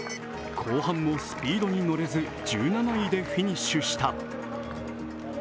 後半もスピードにのれず１７位でフィニッシュした。